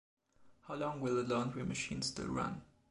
How long will the laundry machine still run?